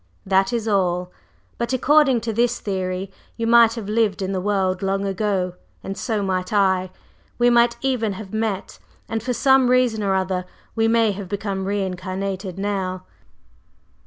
That is all. But according to this theory, you might have lived in the world long ago, and so might I: we might even have met; and for some reason or other we may have become re incarnated now.